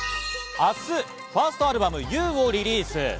明日、ファーストアルバム『Ｕ』をリリース。